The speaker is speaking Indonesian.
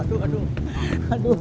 aduh aduh aduh